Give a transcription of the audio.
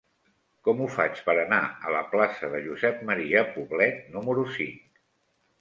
Com ho faig per anar a la plaça de Josep M. Poblet número cinc?